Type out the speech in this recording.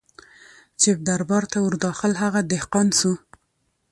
چي دربار ته ور داخل هغه دهقان سو